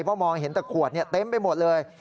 เพราะมองเห็นแต่ขวดเต็มไปหมดเลย